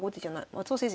松尾先生